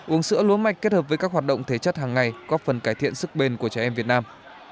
uống sữa lúa mạch kết hợp với các hoạt động thể chất hàng ngày góp phần cải thiện sức bền của trẻ em việt nam